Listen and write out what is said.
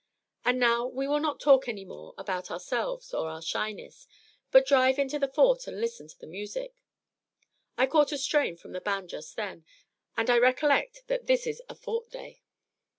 And now we will not talk any more about ourselves or our shyness, but drive into the Fort and listen to the music. I caught a strain from the Band just then, and I recollect that this is a 'Fort Day.'"